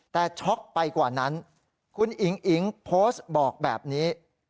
แต่ช็อกไปกว่านั้นคุณอิ๋งอิ๋งโพสต์บอกแบบนี้